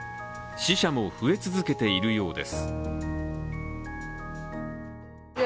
死者も増え続けているようです。